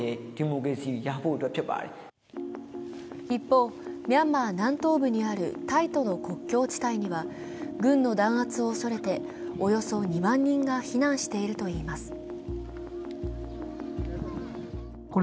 一方、ミャンマー南東部にあるタイとの国境地帯には、軍の弾圧を恐れておよそ２万人が避難しているといいます。